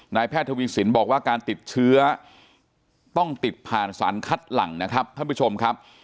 นายแพทย์ธวิสินบอกว่าการติดเชื้อต้องติดผ่านสารคัดหลังนะครับ